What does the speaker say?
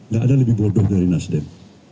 gak ada lebih bodoh dari nasdem